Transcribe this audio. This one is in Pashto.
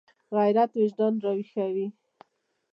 غیرت وجدان راویښوي